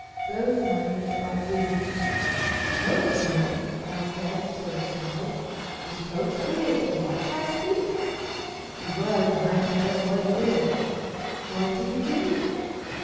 Both my ears got busy. "Cokesbury," I said, sort of startled, "was Cokesbury at the Lodge last week?" "He was and I know just what he did." "What did he do?"